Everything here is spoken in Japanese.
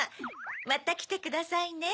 またきてくださいね。